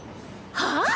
はあ